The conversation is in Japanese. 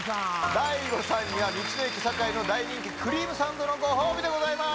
大悟さんには道の駅さかいの大人気クリームサンドのご褒美でございます。